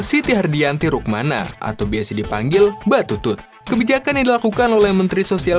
siti hardianti rukmana atau biasa dipanggil mbak tutut kebijakan yang dilakukan oleh menteri sosial